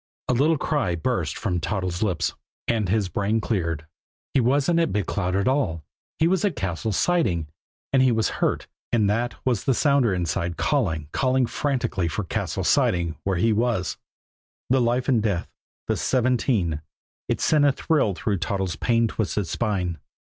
A little cry burst from Toddles' lips and his brain cleared. He wasn't at Big Cloud at all he was at Cassil's Siding and he was hurt and that was the sounder inside calling, calling frantically for Cassil's Siding where he was. The life and death the seventeen it sent a thrill through Toddles' pain twisted spine.